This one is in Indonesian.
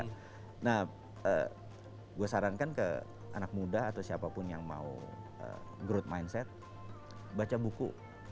nah gue sarankan ke anak muda atau siapapun yang mau growth mindset baca buku